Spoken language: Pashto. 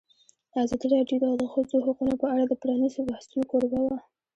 ازادي راډیو د د ښځو حقونه په اړه د پرانیستو بحثونو کوربه وه.